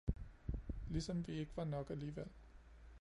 Ligesom vi ikke var nok alligevel